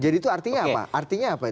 jadi itu artinya apa